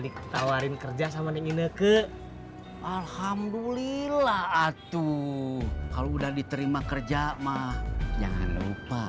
ditawarin kerja sama ning ineke alhamdulillah atu kalau udah diterima kerja mah jangan lupa